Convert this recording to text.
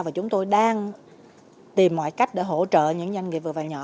và chúng tôi đang tìm mọi cách để hỗ trợ những doanh nghiệp vừa và nhỏ